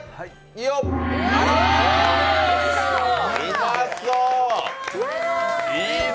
うまそう。